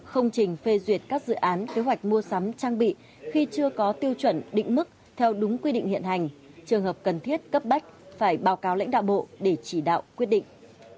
không trình phê duyệt các dự án kế hoạch mua sắm trang bị khi chưa có tiêu chuẩn định mức theo đúng quy định hiện hành trường hợp cần thiết cấp bách phải báo cáo lãnh đạo bộ để chỉ đạo quyết định